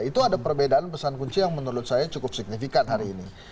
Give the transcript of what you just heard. itu ada perbedaan pesan kunci yang menurut saya cukup signifikan hari ini